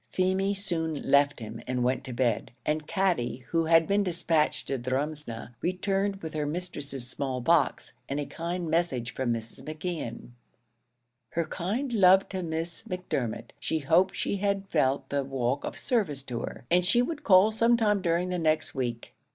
Feemy soon left him, and went to bed, and Katty, who had been dispatched to Drumsna, returned with her mistress's small box, and a kind message from Mrs. McKeon: "Her kind love to Miss Macdermot; she hoped she had felt the walk of service to her, and she would call some time during the next week."